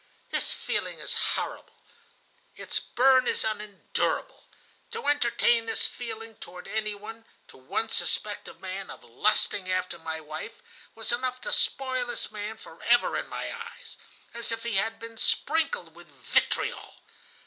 "This feeling is horrible. Its burn is unendurable. To entertain this feeling toward any one, to once suspect a man of lusting after my wife, was enough to spoil this man forever in my eyes, as if he had been sprinkled with vitriol.